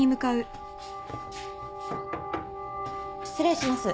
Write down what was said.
失礼します。